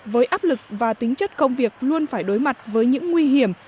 với áp lực và tính chất công việc luôn phải đối mặt với những nguy hiểm